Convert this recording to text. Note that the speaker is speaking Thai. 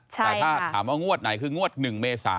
แต่ถ้าถามว่างวดไหนคืองวด๑เมษา